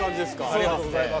ありがとうございます。